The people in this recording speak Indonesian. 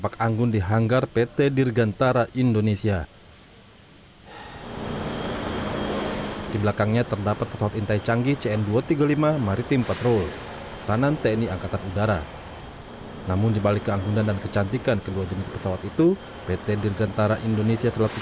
kondisi ini tentu bisa membuat pt di kembali terpuruk